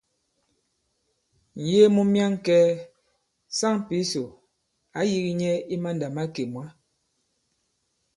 Ŋ̀yee mu myaŋkɛ̄ɛ̄, saŋ Pǐsò ǎ yīgī nyɛ i mandàmakè mwǎ.